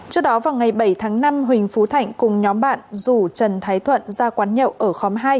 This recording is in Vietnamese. trước đó vào ngày bảy tháng năm huỳnh phú thạnh cùng nhóm bạn rủ trần thái thuận ra quán nhậu ở khóm hai